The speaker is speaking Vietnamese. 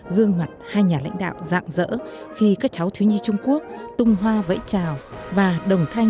gương mặt hai nhà lãnh đạo dạng dỡ khi các cháu thiếu nhi trung quốc tung hoa vẫy chào và đồng thanh